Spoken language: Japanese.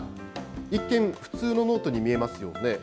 一見、普通のノートに見えますよね。